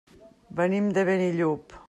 Venim de Benillup.